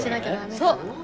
そう。